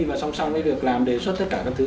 và xong xong mới được làm đề xuất tất cả các thứ